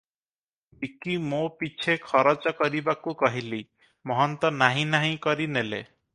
ବିକି ମୋ ପିଛେ ଖରଚ କରିବାକୁ କହିଲି ।ମହନ୍ତ ନାହିଁ ନାହିଁ କରି ନେଲେ ।